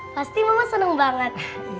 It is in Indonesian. pasti mama seneng banget